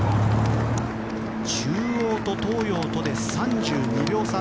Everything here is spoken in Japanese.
中央と東洋で３２秒差。